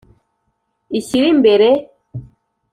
ishyire imbere.